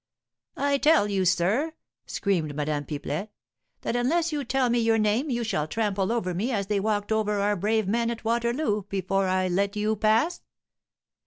"I tell you, sir," screamed Madame Pipelet, "that unless you tell me your name, you shall trample over me, as they walked over our brave men at Waterloo, before I let you pass."